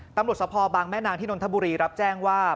สภบางแม่นางที่นนทบุรีรับแจ้งว่า